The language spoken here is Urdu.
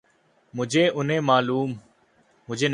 مجھے نہیں معلوم